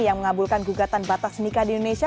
yang mengabulkan gugatan batas nikah di indonesia